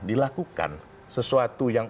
dilakukan sesuatu yang